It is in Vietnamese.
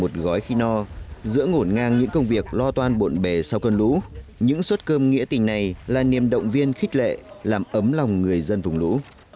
trong đợt mưa lũ những suất cơm nghĩa tình này là niềm động viên khích lệ làm ấm lòng người dân vùng lũ